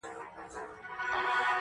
که کړې مې وي مور کومه ګناه پروردګاره